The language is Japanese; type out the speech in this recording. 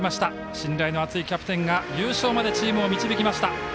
信頼の厚いキャプテンが優勝までチームを導きました。